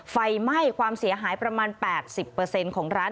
ไฟไม่ความเสียหายประมาณแปดสิบเปอร์เซ็นต์ของร้าน